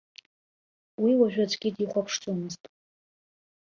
Уи уажәы аӡәгьы дихәаԥшӡомызт.